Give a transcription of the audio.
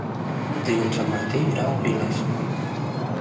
Dilluns en Martí irà a Piles.